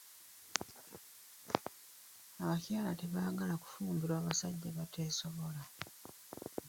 Abakyala tebaagala kufumbirwa basajja bateesobola .